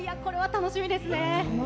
楽しみですね。